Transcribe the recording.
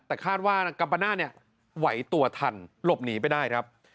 แต่คาดว่ากัมปนาศเนี่ยไหวตัวทันหลบหนีไปได้ครับ